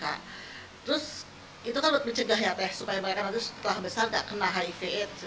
terus itu kan buat mencegah ya teh supaya mereka nanti setelah besar nggak kena hiv aids